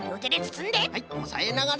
おさえながら。